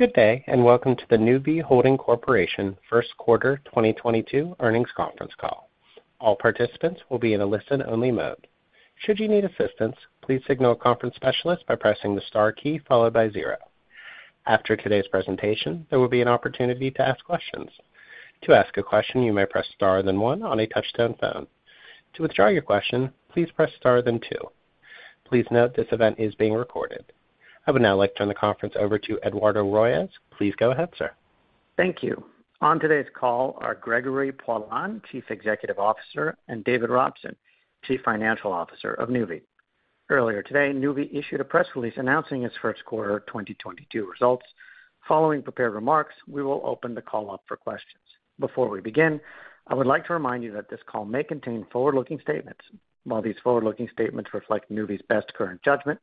Good day, and welcome to the Nuvve Holding Corp. first quarter 2022 earnings conference call. All participants will be in a listen-only mode. Should you need assistance, please signal a conference specialist by pressing the star key followed by zero. After today's presentation, there will be an opportunity to ask questions. To ask a question, you may press star then one on a touch tone phone. To withdraw your question, please press star then two. Please note this event is being recorded. I would now like to turn the conference over to Eduardo Royes. Please go ahead, sir. Thank you. On today's call are Gregory Poilasne, Chief Executive Officer, and David Robson, Chief Financial Officer of Nuvve. Earlier today, Nuvve issued a press release announcing its Q1 2022 results. Following prepared remarks, we will open the call up for questions. Before we begin, I would like to remind you that this call may contain forward-looking statements. While these forward-looking statements reflect Nuvve's best current judgment,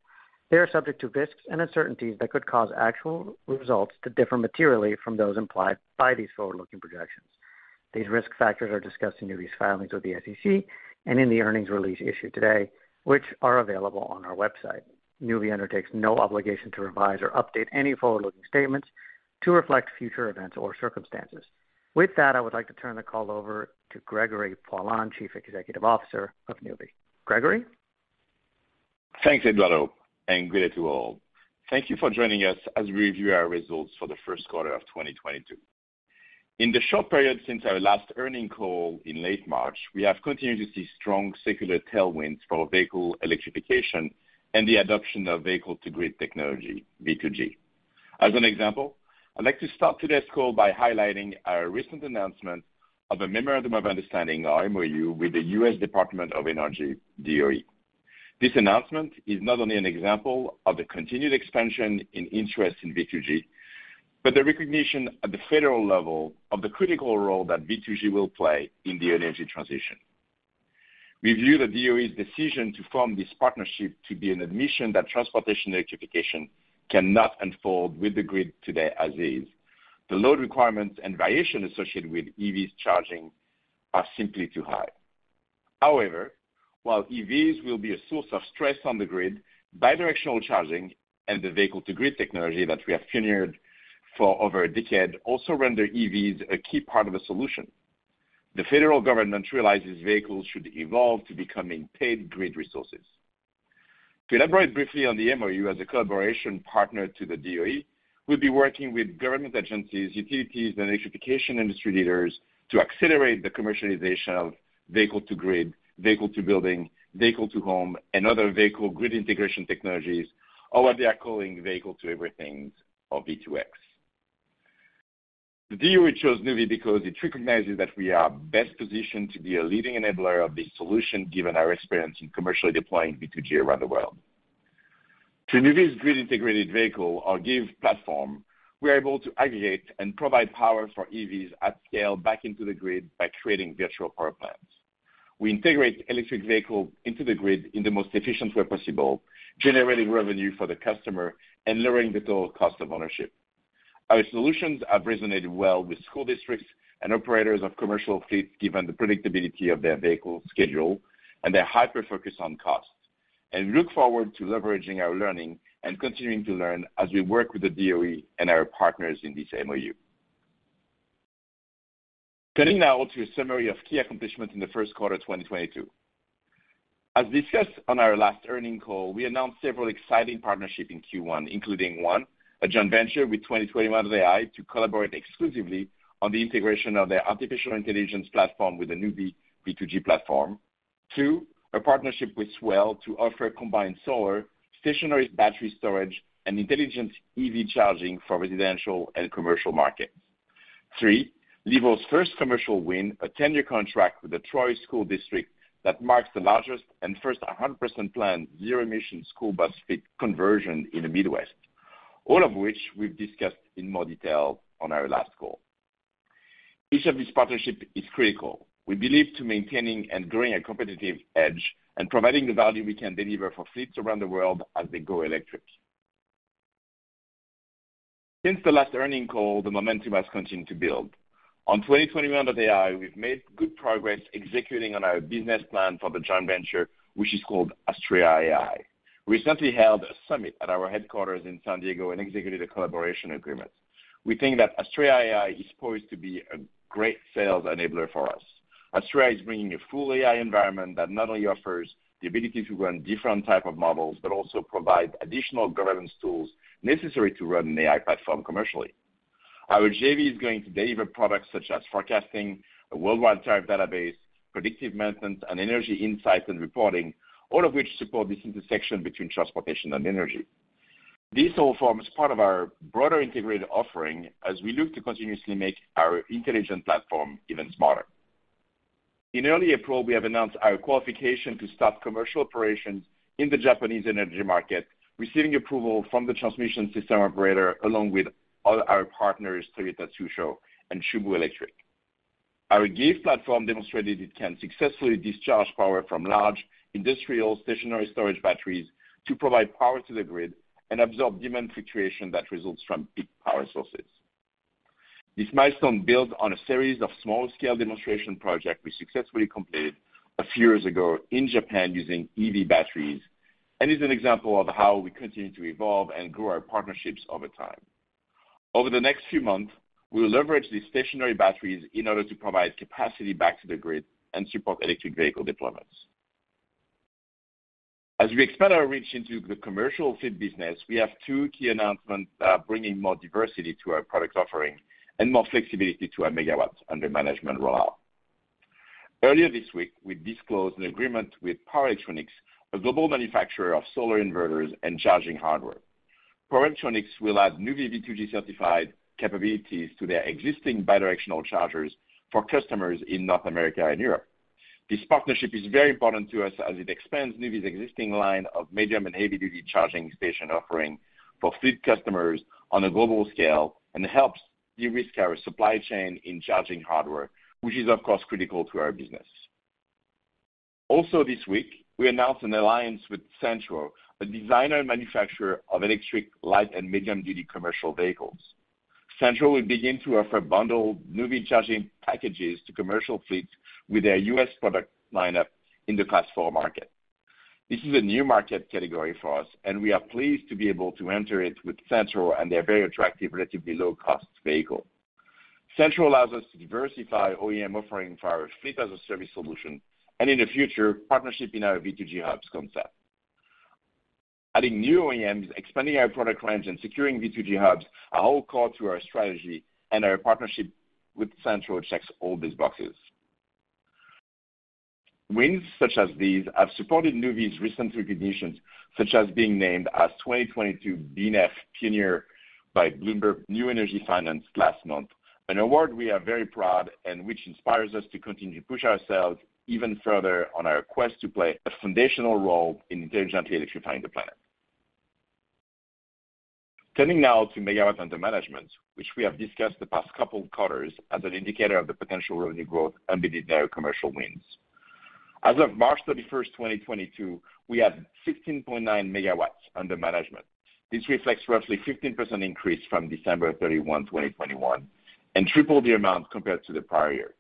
they are subject to risks and uncertainties that could cause actual results to differ materially from those implied by these forward-looking projections. These risk factors are discussed in Nuvve's filings with the SEC and in the earnings release issued today, which are available on our website. Nuvve undertakes no obligation to revise or update any forward-looking statements to reflect future events or circumstances. With that, I would like to turn the call over to Gregory Poilasne, Chief Executive Officer of Nuvve. Gregory? Thanks, Eduardo, and good day to all. Thank you for joining us as we review our results for the Q1 of 2022. In the short period since our last earnings call in late March, we have continued to see strong secular tailwinds for vehicle electrification and the adoption of vehicle-to-grid technology, V2G. As an example, I'd like to start today's call by highlighting our recent announcement of a memorandum of understanding, or MOU, with the U.S. Department of Energy, DOE. This announcement is not only an example of the continued expansion in interest in V2G, but the recognition at the federal level of the critical role that V2G will play in the energy transition. We view the DOE's decision to form this partnership to be an admission that transportation electrification cannot unfold with the grid today as is. The load requirements and variation associated with EVs charging are simply too high. However, while EVs will be a source of stress on the grid, bidirectional charging and the vehicle-to-grid technology that we have pioneered for over a decade also render EVs a key part of a solution. The federal government realizes vehicles should evolve to becoming paid grid resources. To elaborate briefly on the MOU as a collaboration partner to the DOE, we'll be working with government agencies, utilities, and electrification industry leaders to accelerate the commercialization of vehicle-to-grid, vehicle-to-building, vehicle-to-home, and other vehicle grid integration technologies, or what they are calling vehicle to everything or V2X. The DOE chose Nuvve because it recognizes that we are best positioned to be a leading enabler of this solution given our experience in commercially deploying V2G around the world. Through Nuvve's grid-integrated vehicle, or GIV, platform, we are able to aggregate and provide power for EVs at scale back into the grid by creating virtual power plants. We integrate electric vehicle into the grid in the most efficient way possible, generating revenue for the customer and lowering the total cost of ownership. Our solutions have resonated well with school districts and operators of commercial fleets given the predictability of their vehicle schedule and their hyper-focus on cost. We look forward to leveraging our learning and continuing to learn as we work with the DOE and our partners in this MOU. Turning now to a summary of key accomplishments in the Q1 2022. As discussed on our last earnings call, we announced several exciting partnerships in Q1, including one, a joint venture with 2021.AI to collaborate exclusively on the integration of their artificial intelligence platform with the Nuvve V2G platform. Two, a partnership with Swell to offer combined solar, stationary battery storage, and intelligent EV charging for residential and commercial markets. Three, Levo's first commercial win, a 10-year contract with the Troy School District that marks the largest and first 100% planned zero-emission school bus fleet conversion in the Midwest, all of which we've discussed in more detail on our last call. Each of these partnerships is critical, we believe, to maintaining and growing a competitive edge and providing the value we can deliver for fleets around the world as they go electric. Since the last earnings call, the momentum has continued to build. On 2021.AI, we've made good progress executing on our business plan for the joint venture, which is called Astrea AI. We recently held a summit at our headquarters in San Diego and executed a collaboration agreement. We think that Astrea AI is poised to be a great sales enabler for us. Astrea is bringing a full AI environment that not only offers the ability to run different type of models but also provide additional governance tools necessary to run an AI platform commercially. Our JV is going to deliver products such as forecasting, a worldwide tire database, predictive maintenance, and energy insights and reporting, all of which support this intersection between transportation and energy. This all forms part of our broader integrated offering as we look to continuously make our intelligent platform even smarter. In early April, we have announced our qualification to start commercial operations in the Japanese energy market, receiving approval from the transmission system operator along with our partners, Toyota Tsusho and Chubu Electric Power. Our GIV platform demonstrated it can successfully discharge power from large industrial stationary storage batteries to provide power to the grid and absorb demand fluctuation that results from peak power sources. This milestone builds on a series of small-scale demonstration project we successfully completed a few years ago in Japan using EV batteries, and is an example of how we continue to evolve and grow our partnerships over time. Over the next few months, we will leverage these stationary batteries in order to provide capacity back to the grid and support electric vehicle deployments. As we expand our reach into the commercial fleet business, we have two key announcements, bringing more diversity to our product offering and more flexibility to our megawatts under management rollout. Earlier this week, we disclosed an agreement with Power Electronics, a global manufacturer of solar inverters and charging hardware. Power Electronics will add Nuvve V2G-certified capabilities to their existing bi-directional chargers for customers in North America and Europe. This partnership is very important to us as it expands Nuvve's existing line of medium and heavy-duty charging station offering for fleet customers on a global scale, and helps de-risk our supply chain in charging hardware, which is, of course, critical to our business. Also this week, we announced an alliance with Cenntro, a designer and manufacturer of electric light and medium-duty commercial vehicles. Cenntro will begin to offer bundled Nuvve charging packages to commercial fleets with their US product lineup in the Class 4 market. This is a new market category for us, and we are pleased to be able to enter it with Cenntro and their very attractive, relatively low-cost vehicle. Cenntro allows us to diversify OEM offering for our fleet-as-a-service solution, and in the future, partnership in our V2G hubs concept. Adding new OEMs, expanding our product range, and securing V2G hubs are all core to our strategy, and our partnership with Cenntro checks all these boxes. Wins such as these have supported Nuvve's recent recognitions, such as being named as 2022 BNEF Pioneer by Bloomberg New Energy Finance last month, an award we are very proud and which inspires us to continue to push ourselves even further on our quest to play a foundational role in intelligently electrifying the planet. Turning now to megawatts under management, which we have discussed the past couple of quarters as an indicator of the potential revenue growth and with their commercial wins. As of March 31st, 2022, we had 16.9 MW under management. This reflects roughly 15% increase from December 31, 2021, and triple the amount compared to the prior year.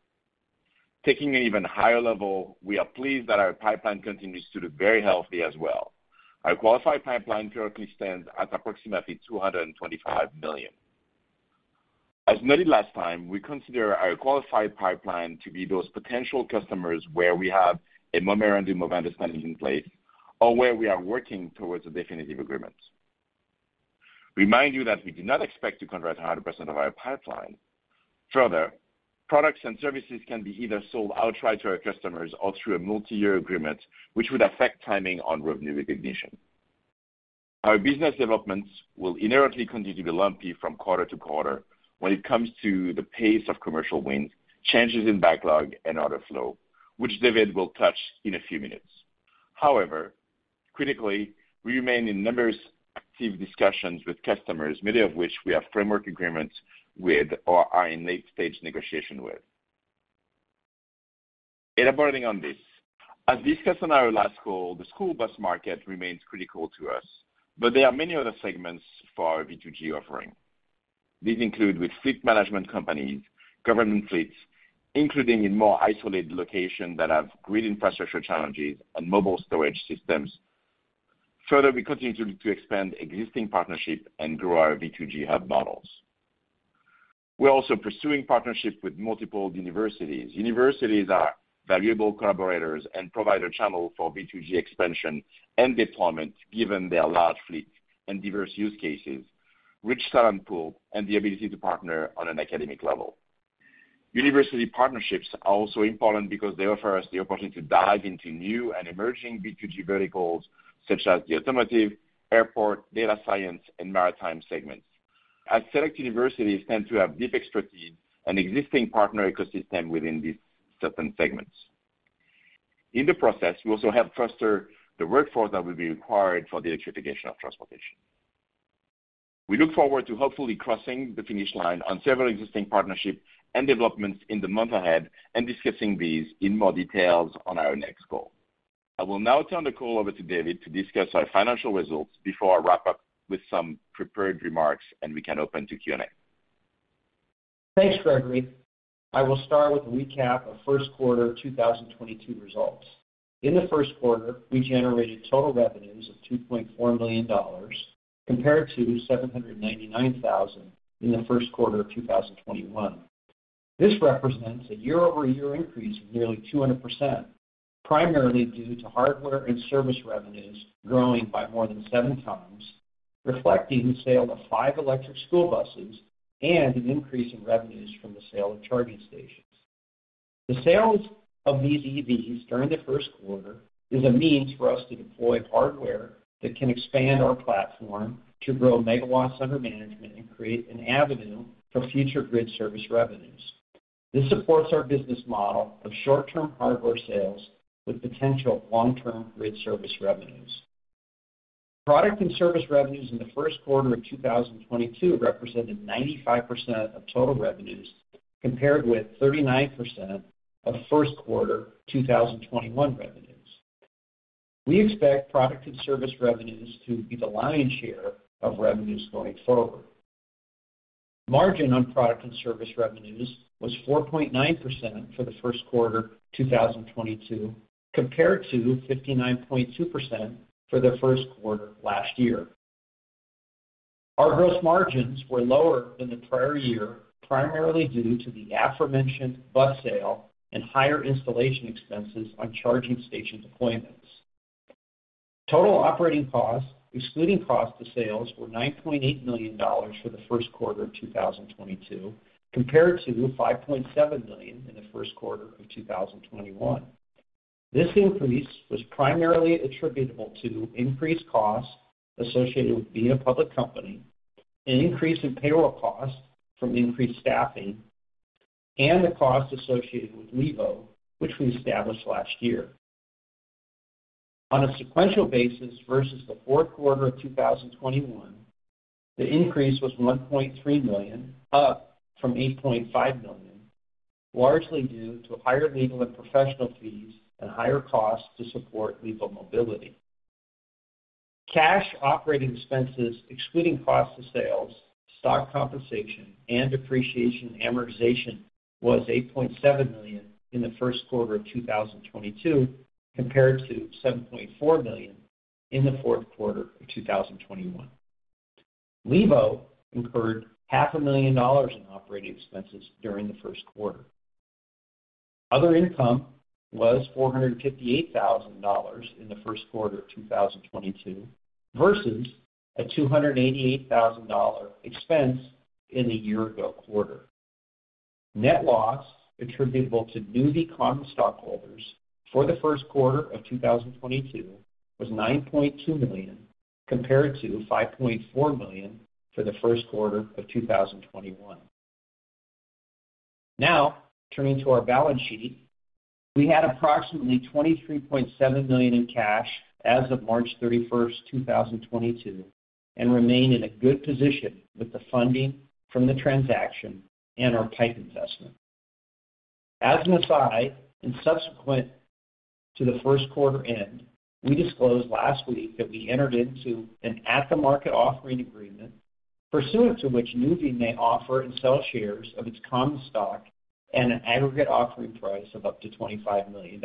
Taking an even higher level, we are pleased that our pipeline continues to look very healthy as well. Our qualified pipeline currently stands at approximately $225 million. As noted last time, we consider our qualified pipeline to be those potential customers where we have a memorandum of understanding in place or where we are working towards a definitive agreement. Remind you that we do not expect to convert 100% of our pipeline. Further, products and services can be either sold outright to our customers or through a multi-year agreement, which would affect timing on revenue recognition. Our business developments will inherently continue to be lumpy from quarter-to-quarter when it comes to the pace of commercial wins, changes in backlog and order flow, which David will touch in a few minutes. However, critically, we remain in numerous active discussions with customers, many of which we have framework agreements with or are in late-stage negotiation with. Elaborating on this, as discussed on our last call, the school bus market remains critical to us, but there are many other segments for our V2G offering. These include with fleet management companies, government fleets, including in more isolated locations that have grid infrastructure challenges and mobile storage systems. Further, we continue to expand existing partnerships and grow our V2G hub models. We're also pursuing partnerships with multiple universities. Universities are valuable collaborators and provide a channel for V2G expansion and deployment, given their large fleet and diverse use cases, rich talent pool, and the ability to partner on an academic level. University partnerships are also important because they offer us the opportunity to dive into new and emerging V2G verticals such as the automotive, airport, data science, and maritime segments, as select universities tend to have deep expertise and existing partner ecosystem within these certain segments. In the process, we also help foster the workforce that will be required for the electrification of transportation. We look forward to hopefully crossing the finish line on several existing partnerships and developments in the months ahead and discussing these in more details on our next call. I will now turn the call over to David to discuss our financial results before I wrap up with some prepared remarks, and we can open to Q&A. Thanks, Gregory. I will start with a recap of Q1 2022 results. In the Q1, we generated total revenues of $2.4 million compared to $799,000 in the Q1 of 2021. This represents a year-over-year increase of nearly 200%, primarily due to hardware and service revenues growing by more than seven times, reflecting the sale of five electric school buses and an increase in revenues from the sale of charging stations. The sales of these EVs during the Q1 is a means for us to deploy hardware that can expand our platform to grow megawatts under management and create an avenue for future grid service revenues. This supports our business model of short-term hardware sales with potential long-term grid service revenues. Product and service revenues in the Q1 of 2022 represented 95% of total revenues, compared with 39% of Q1 2021 revenues. We expect product and service revenues to be the lion's share of revenues going forward. Margin on product and service revenues was 4.9% for the Q1 2022, compared to 59.2% for the Q1 last year. Our gross margins were lower than the prior year, primarily due to the aforementioned bus sale and higher installation expenses on charging station deployments. Total operating costs, excluding cost of sales, were $9.8 million for the Q1 of 2022, compared to $5.7 million in the Q1 of 2021. This increase was primarily attributable to increased costs associated with being a public company, an increase in payroll costs from increased staffing, and the costs associated with Levo, which we established last year. On a sequential basis versus the Q4 of 2021, the increase was $1.3 million, up from $8.5 million, largely due to higher legal and professional fees and higher costs to support Levo Mobility. Cash operating expenses excluding cost of sales, stock compensation, and depreciation and amortization was $8.7 million in the Q1 of 2022, compared to $7.4 million in the Q4 of 2021. Levo incurred $500,000 in operating expenses during the Q1. Other income was $458 thousand in the Q1 of 2022 versus a $288 thousand expense in the year ago quarter. Net loss attributable to Nuvve common stockholders for the Q1 of 2022 was $9.2 million, compared to $5.4 million for the Q1 of 2021. Now, turning to our balance sheet. We had approximately $23.7 million in cash as of March 31st, 2022, and remain in a good position with the funding from the transaction and our PIPE investment. As an aside, and subsequent to the Q1 end, we disclosed last week that we entered into an at-the-market offering agreement pursuant to which Nuvve may offer and sell shares of its common stock at an aggregate offering price of up to $25 million.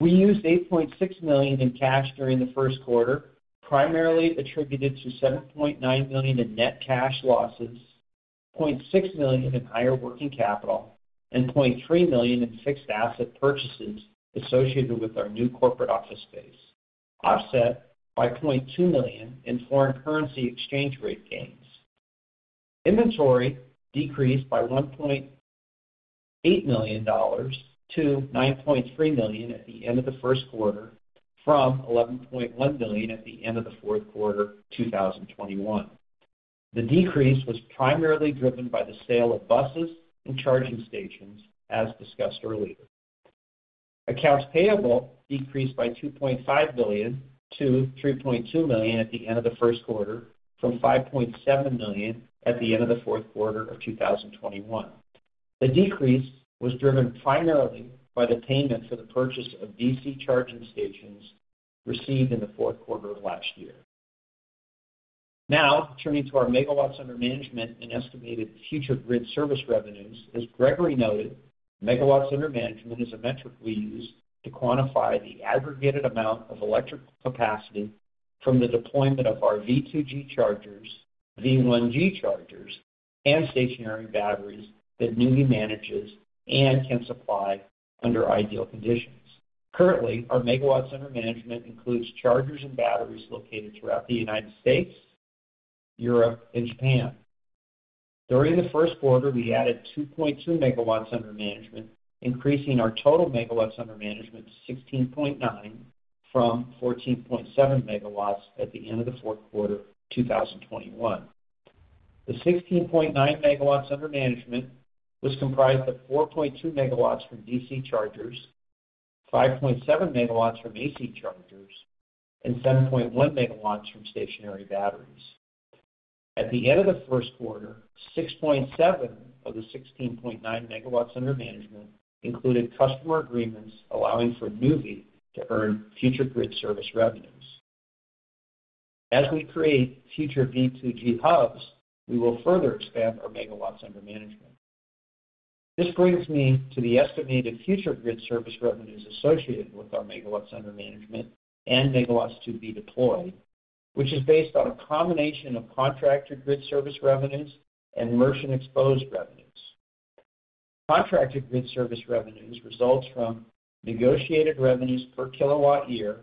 We used $8.6 million in cash during the Q1, primarily attributed to $7.9 million in net cash losses, $0.6 million in higher working capital, and $0.3 million in fixed asset purchases associated with our new corporate office space, offset by $0.2 million in foreign currency exchange rate gains. Inventory decreased by $1.8 million-$9.3 million at the end of the Q1 from $11.1 million at the end of the Q4 2021. The decrease was primarily driven by the sale of buses and charging stations, as discussed earlier. Accounts payable decreased by $2.5 million-$3.2 million at the end of the Q1 from $5.7 million at the end of the Q4 of 2021. The decrease was driven primarily by the payment for the purchase of DC charging stations received in the Q4 of last year. Now, turning to our megawatts under management and estimated future grid service revenues. As Gregory noted, megawatts under management is a metric we use to quantify the aggregated amount of electric capacity from the deployment of our V2G chargers, V1G chargers, and stationary batteries that Nuvve manages and can supply under ideal conditions. Currently, our megawatts under management includes chargers and batteries located throughout the United States, Europe, and Japan. During the Q1, we added 2.2 MW under management, increasing our total megawatts under management to 16.9 MW from 14.7 MW at the end of the Q4 of 2021. The 16.9 MW under management was comprised of 4.2 MW from DC chargers, 5.7 MW from AC chargers, and 7.1 MW from stationary batteries. At the end of the Q1, 6.7 MW of the 16.9 MW under management included customer agreements allowing for Nuvve to earn future grid service revenues. As we create future V2G hubs, we will further expand our megawatts under management. This brings me to the estimated future grid service revenues associated with our megawatts under management and megawatts to be deployed, which is based on a combination of contracted grid service revenues and merchant exposed revenues. Contracted grid service revenues results from negotiated revenues per kilowatt year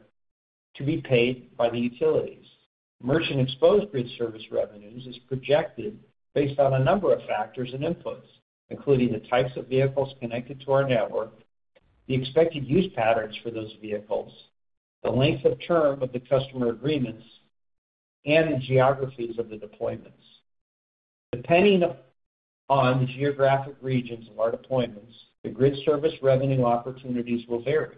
to be paid by the utilities. Merchant exposed grid service revenues is projected based on a number of factors and inputs, including the types of vehicles connected to our network, the expected use patterns for those vehicles, the length of term of the customer agreements, and the geographies of the deployments. Depending on the geographic regions of our deployments, the grid service revenue opportunities will vary.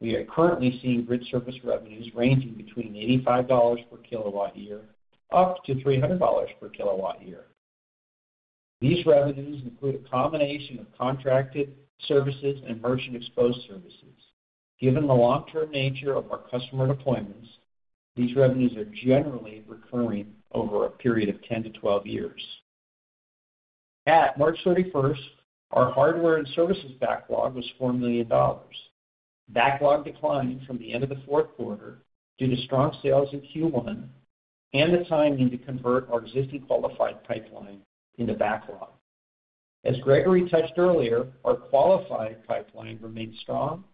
We are currently seeing grid service revenues ranging between $85 per kW year up to $300 per kW year. These revenues include a combination of contracted services and merchant exposed services. Given the long-term nature of our customer deployments, these revenues are generally recurring over a period of 10 years-12 years. At March 31st, our hardware and services backlog was $4 million. Backlog declined from the end of the Q4 due to strong sales in Q1 and the timing to convert our existing qualified pipeline into backlog. As Gregory touched earlier, our qualified pipeline remains strong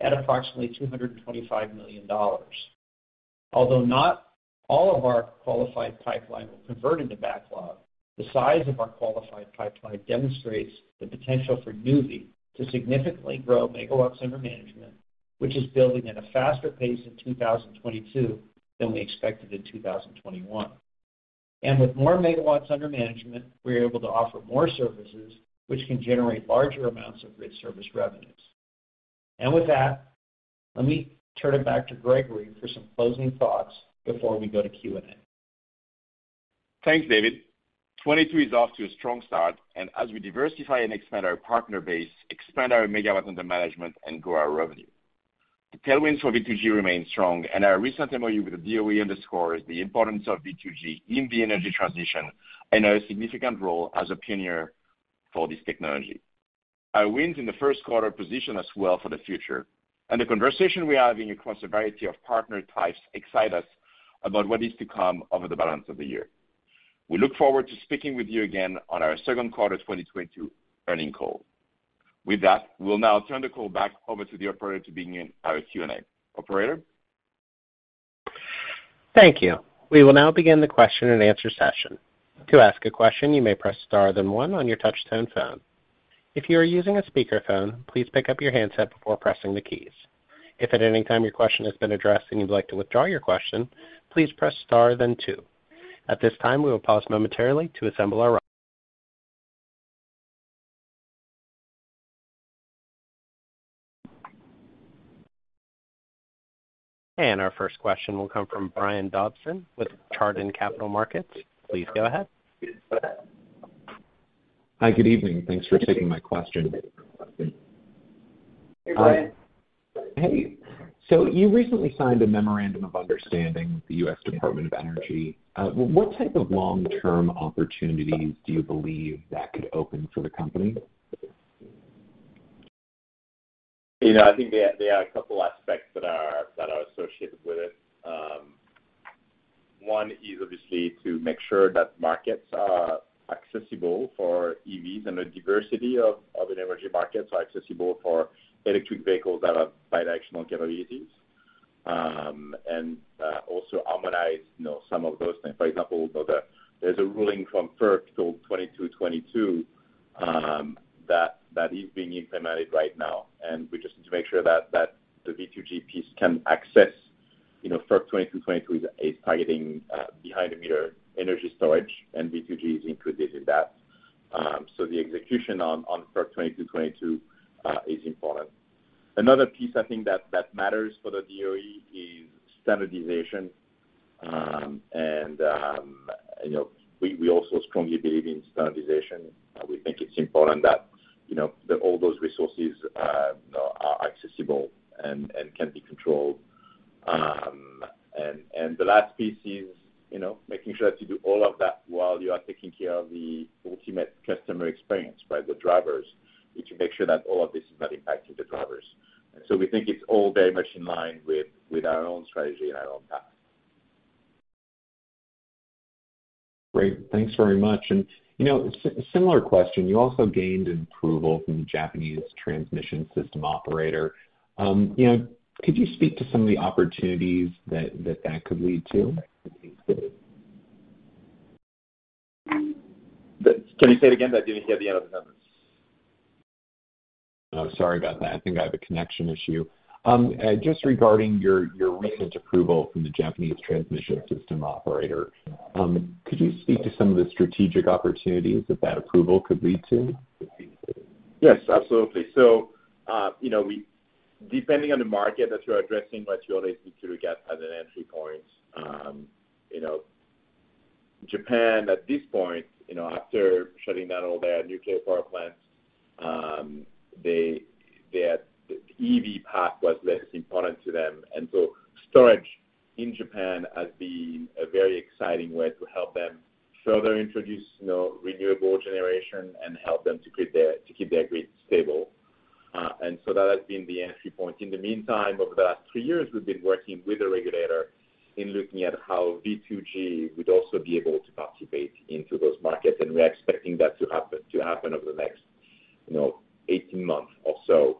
at approximately $225 million. Although not all of our qualified pipeline will convert into backlog, the size of our qualified pipeline demonstrates the potential for Nuvve to significantly grow megawatts under management, which is building at a faster pace in 2022 than we expected in 2021. With more megawatts under management, we're able to offer more services, which can generate larger amounts of grid service revenues. With that, let me turn it back to Gregory for some closing thoughts before we go to Q&A. Thanks, David. 2022 is off to a strong start, and as we diversify and expand our partner base, expand our megawatts under management, and grow our revenue. The tailwinds for V2G remain strong, and our recent MOU with the DOE underscores the importance of V2G in the energy transition and our significant role as a pioneer for this technology. Our wins in the Q1 position us well for the future, and the conversation we're having across a variety of partner types excite us about what is to come over the balance of the year. We look forward to speaking with you again on our Q2 2022 earnings call. With that, we'll now turn the call back over to the operator to begin our Q&A. Operator? Thank you. We will now begin the Q&A session. To ask a question, you may press star then one on your touch tone phone. If you are using a speaker phone, please pick up your handset before pressing the keys. If at any time your question has been addressed and you'd like to withdraw your question, please press star then two. At this time, we will pause momentarily. Our first question will come from Brian Dobson with Chardan Capital Markets. Please go ahead. Hi. Good evening. Thanks for taking my question. Hey, Brian. Hey. You recently signed a memorandum of understanding with the US Department of Energy. What type of long-term opportunities do you believe that could open for the company? You know, I think there are a couple aspects that are associated with it. One is obviously to make sure that markets are accessible for EVs and a diversity of an energy markets are accessible for electric vehicles that have bi-directional capabilities, and also harmonize, you know, some of those things. For example, you know, there's a ruling from FERC 2222 that is being implemented right now. We just need to make sure that the V2G piece can access, you know, FERC 2222 is targeting behind the meter energy storage and V2G is included in that. So the execution on FERC 2222 is important. Another piece I think that matters for the DOE is standardization. You know, we also strongly believe in standardization. We think it's important that you know that all those resources you know are accessible and can be controlled. The last piece is you know making sure to do all of that while you are taking care of the ultimate customer experience, right, the drivers. We need to make sure that all of this is not impacting the drivers. We think it's all very much in line with our own strategy and our own path. Great. Thanks very much. You know, similar question, you also gained approval from the Japanese transmission system operator. You know, could you speak to some of the opportunities that could lead to? Can you say it again? I didn't hear the end of the sentence. Oh, sorry about that. I think I have a connection issue. Just regarding your recent approval from the Japanese transmission system operator, could you speak to some of the strategic opportunities that approval could lead to? Yes, absolutely. You know, depending on the market that you're addressing, what you always need to get as an entry point, you know. Japan at this point, you know, after shutting down all their nuclear power plants, they, their EV path was less important to them. Storage in Japan has been a very exciting way to help them further introduce, you know, renewable generation and help them to keep their grid stable. That has been the entry point. In the meantime, over the last three years, we've been working with the regulator in looking at how V2G would also be able to participate into those markets, and we're expecting that to happen over the next, you know, 18 months or so.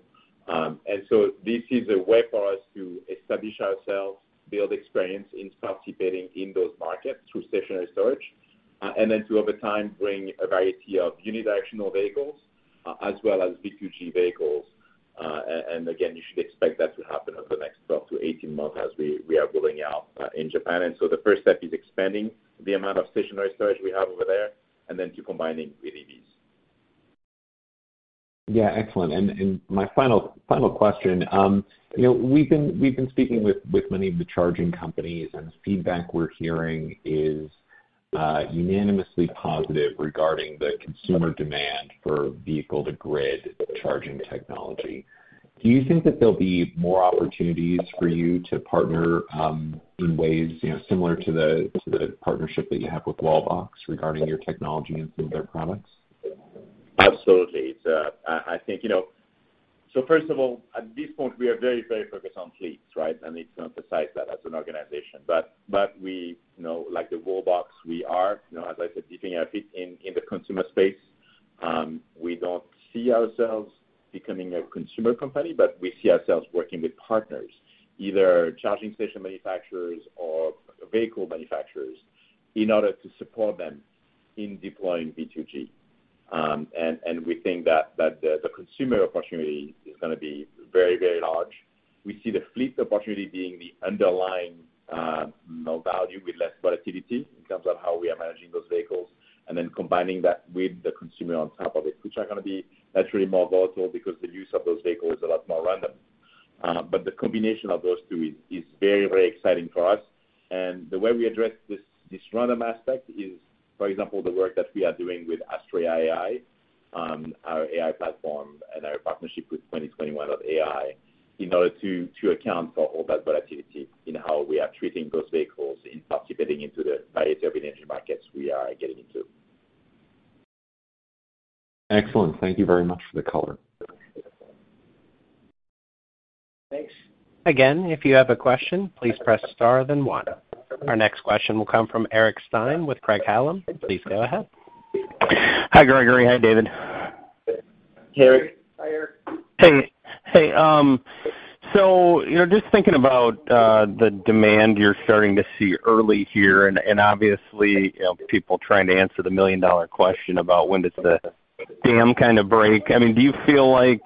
This is a way for us to establish ourselves, build experience in participating in those markets through stationary storage, and then to over time bring a variety of unidirectional vehicles, as well as V2G vehicles. Again, you should expect that to happen over the next 12 months-18 months as we are rolling out in Japan. The first step is expanding the amount of stationary storage we have over there, and then to combining with EVs. Yeah. Excellent. My final question. You know, we've been speaking with many of the charging companies, and the feedback we're hearing is unanimously positive regarding the consumer demand for vehicle-to-grid charging technology. Do you think that there'll be more opportunities for you to partner in ways, you know, similar to the partnership that you have with Wallbox regarding your technology and some of their products? Absolutely. I think, you know, first of all, at this point, we are very, very focused on fleets, right? I need to emphasize that as an organization. We, you know, like the Wallbox, we are, you know, as I said, dipping our feet in the consumer space. We don't see ourselves becoming a consumer company, but we see ourselves working with partners, either charging station manufacturers or vehicle manufacturers, in order to support them in deploying V2G. We think that the consumer opportunity is gonna be very, very large. We see the fleet opportunity being the underlying, you know, value with less volatility in terms of how we are managing those vehicles and then combining that with the consumer on top of it, which are gonna be naturally more volatile because the use of those vehicles is a lot more random. The combination of those two is very exciting for us. The way we address this random aspect is, for example, the work that we are doing with Astrea AI, our AI platform and our partnership with 2021.AI, in order to account for all that volatility in how we are treating those vehicles in participating into the various energy markets we are getting into. Excellent. Thank you very much for the color. Thanks. Again, if you have a question, please press star then one. Our next question will come from Eric Stine with Craig-Hallum. Please go ahead. Hi, Gregory. Hi, David. Hey, Eric. Hi, Eric. You know, just thinking about the demand you're starting to see early here and obviously, you know, people trying to answer the million-dollar question about when does the dam kinda break. I mean, do you feel like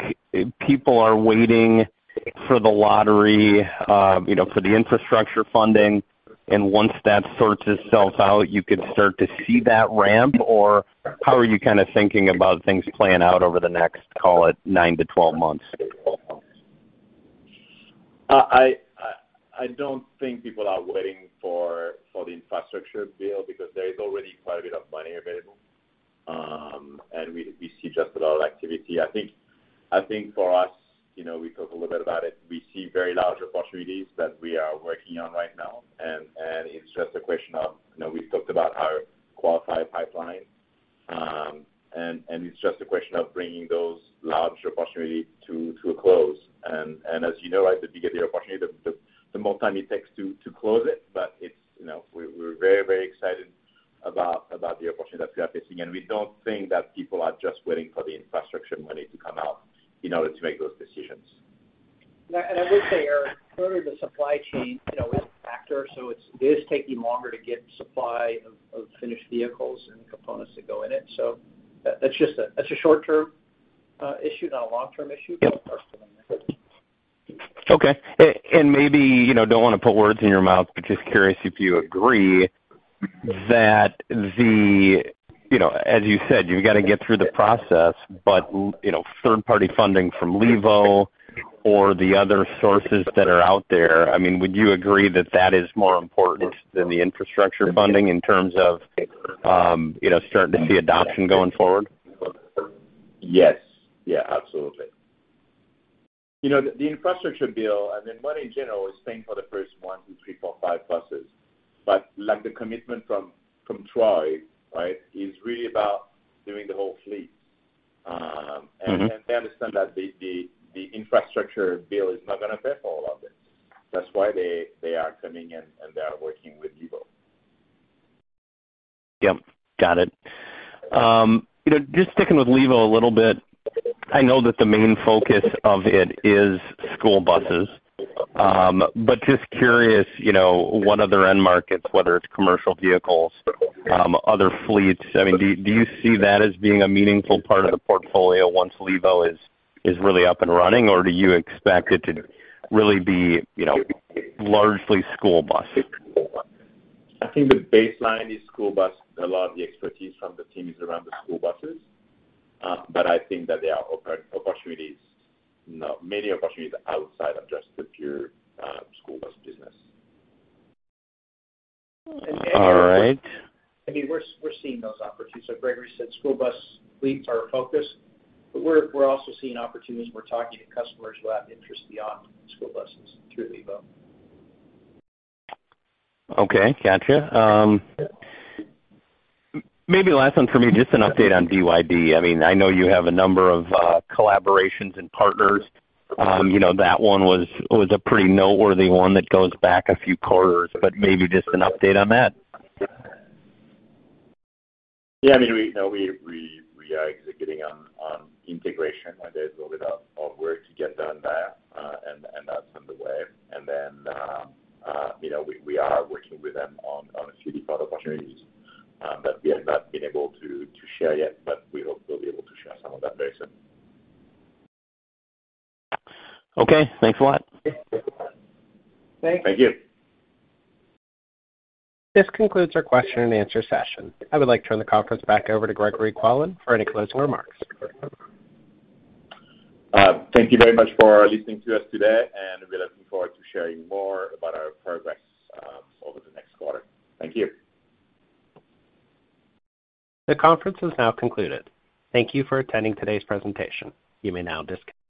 people are waiting for the lottery, you know, for the infrastructure funding, and once that sorts itself out, you can start to see that ramp? Or how are you kinda thinking about things playing out over the next, call it, 9 months-12 months? I don't think people are waiting for the infrastructure bill because there is already quite a bit of money available. We see just a lot of activity. I think for us, you know, we talk a little bit about it. We see very large opportunities that we are working on right now, and it's just a question of, you know, we've talked about our qualified pipeline. It's just a question of bringing those large opportunity to a close. As you know, right, the bigger the opportunity, the more time it takes to close it. It's. You know, we're very excited about the opportunity that we are facing. We don't think that people are just waiting for the infrastructure money to come out in order to make those decisions. I would say, Eric, clearly the supply chain, you know, is a factor, so it is taking longer to get supply of finished vehicles and components that go in it. That's just a short-term issue, not a long-term issue. Okay. Maybe, you know, don't wanna put words in your mouth, but just curious if you agree that. You know, as you said, you gotta get through the process, but you know, third-party funding from Levo or the other sources that are out there, I mean, would you agree that that is more important than the infrastructure funding in terms of, you know, starting to see adoption going forward? Yes. Yeah, absolutely. You know, the infrastructure bill, and then money in general, is paying for the first one, two, three, four, five buses. Like the commitment from Troy, right, is really about doing the whole fleet. Mm-hmm. They understand that the infrastructure bill is not gonna pay for all of it. That's why they are coming and they are working with Levo. Yep. Got it. You know, just sticking with Levo a little bit, I know that the main focus of it is school buses. Just curious, you know, what other end markets, whether it's commercial vehicles, other fleets, I mean, do you see that as being a meaningful part of the portfolio once Levo is really up and running, or do you expect it to really be, you know, largely school buses? I think the baseline is school bus. A lot of the expertise from the team is around the school buses. I think that there are opportunities, you know, many opportunities outside of just the pure, school bus business. All right. I mean, we're seeing those opportunities. As Gregory said, school bus fleets are our focus, but we're also seeing opportunities and we're talking to customers who have interest beyond school buses through Levo. Okay. Gotcha. Maybe last one for me, just an update on BYD. I mean, I know you have a number of collaborations and partners. You know, that one was a pretty noteworthy one that goes back a few quarters, but maybe just an update on that. Yeah. I mean, you know, we are executing on integration, and there's a little bit of work to get done there. That's underway. You know, we are working with them on a few different opportunities that we have not been able to share yet, but we hope we'll be able to share some of that very soon. Okay. Thanks a lot. Thanks. Thank you. This concludes our Q&A session. I would like to turn the conference back over to Gregory Poilasne for any closing remarks. Thank you very much for listening to us today, and we're looking forward to sharing more about our progress over the next quarter. Thank you. The conference has now concluded. Thank you for attending today's presentation. You may now disconnect.